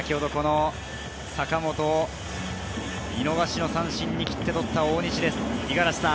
坂本を見逃し三振に切って取った大西です。